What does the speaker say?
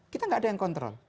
kita nggak ada yang kontrol